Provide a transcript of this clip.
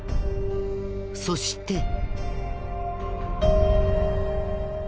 そして。